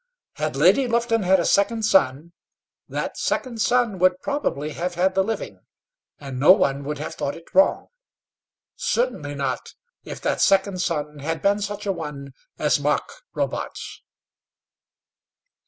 Had Lady Lufton had a second son, that second son would probably have had the living, and no one would have thought it wrong; certainly not if that second son had been such a one as Mark Robarts.